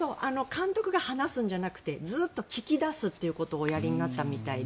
監督が話すんじゃなくてずっと聞き出すことをおやりになったみたいで。